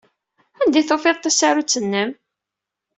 Anda ay tufiḍ tasarut-nnem?